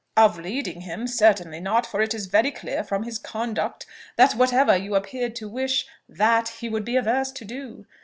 "Of leading him, certainly not; for it is very clear, from his conduct, that whatever you appeared to wish, that he would be averse to do.